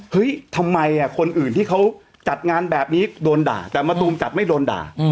เฮ้ยทำไมคนอื่นที่เขาจัดงานแบบนี้โดนด่าแต่มะตูมจัดไม่โดนด่า